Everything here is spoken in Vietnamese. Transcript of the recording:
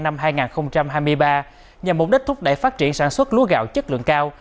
năm hai nghìn hai mươi ba nhằm mục đích thúc đẩy phát triển sản xuất lúa gạo chất lượng cao